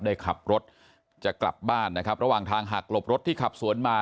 ได้ขับรถจะกลับบ้านนะครับระหว่างทางหักหลบรถที่ขับสวนมา